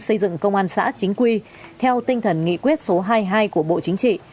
xây dựng công an xã chính quy theo tinh thần nghị quyết số hai mươi hai của bộ chính trị